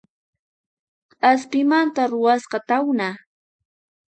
K'aspimanta ruwasqa tawna